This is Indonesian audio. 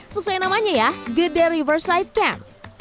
sesuai namanya ya gede riversight camp